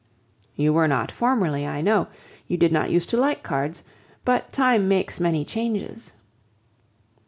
"You were not formerly, I know. You did not use to like cards; but time makes many changes."